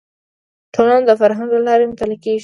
ټولنه د فرهنګ له لارې مطالعه کیږي